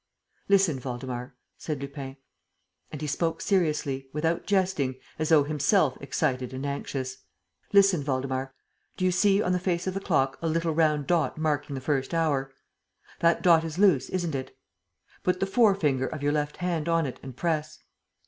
"Listen, Waldemar," said Lupin. And he spoke seriously, without jesting, as though himself excited and anxious: "Listen, Waldemar. Do you see on the face of the clock a little round dot marking the first hour? That dot is loose, isn't it? Put the fore finger of your left hand on it and press.